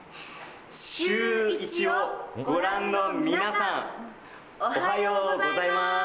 シューイチをご覧の皆さん、おはようございます。